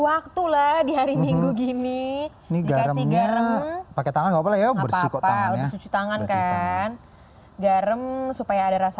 waktu lah di hari minggu gini ini garamnya pakai tangan ya bersih tangan kan garam supaya ada rasa